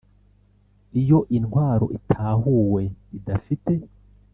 Iyo intwaro itahuwe idafite